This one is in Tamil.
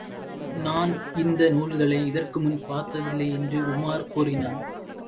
நான் இந்த நூல்களை இதற்கு முன் பார்த்ததில்லை என்று உமார் கூறினான்.